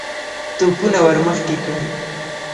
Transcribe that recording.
توپونه ور مخکې کړئ!